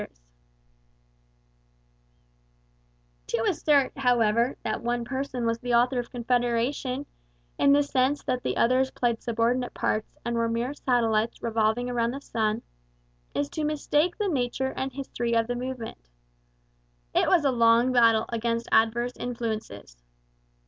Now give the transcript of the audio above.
Jefferys] To assert, however, that one person was the author of Confederation, in the sense that the others played subordinate parts and were mere satellites revolving round the sun, is to mistake the nature and history of the movement. It was a long battle against adverse influences.